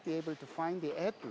karena pelanggan harus dapat